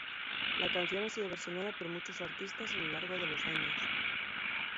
La canción ha sido versionada por muchos artistas a lo largo de los años.